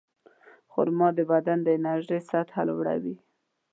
خرما د بدن د انرژۍ سطحه لوړوي.